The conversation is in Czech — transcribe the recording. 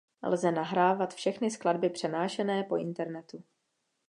Lze nahrávat všechny skladby přenášené po internetu.